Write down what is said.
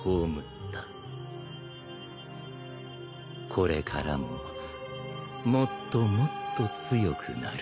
これからももっともっと強くなる。